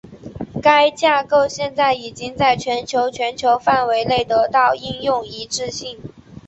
该架构现在已经在全球全球范围内得到应用一致性。